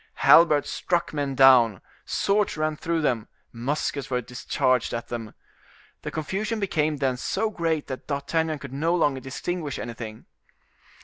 Halberds struck men down, swords ran through them, muskets were discharged at them. The confusion became then so great that D'Artagnan could no longer distinguish anything.